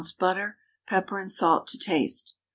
butter, pepper and salt to taste.